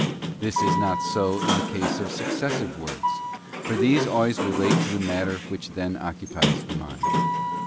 This is not so in the case of Successive Words, for these always relate to the matter which then occupies the mind.